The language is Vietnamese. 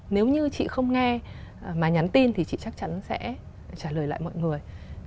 nếu như chị không nghe mà nhắn tin thì chị chắc chắn sẽ trả lời lại mọi người